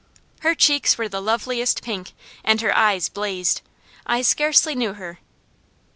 Her cheeks were the loveliest pink, and her eyes blazed. I scarcely knew her.